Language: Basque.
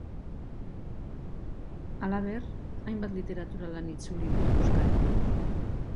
Halaber, hainbat literatura lan itzuli ditu euskarara.